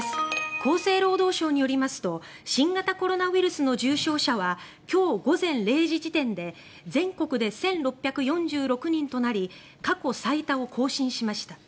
厚生労働省によりますと新型コロナウイルスの重症者は今日午前０時時点で全国で１６４６人となり過去最多を更新しました。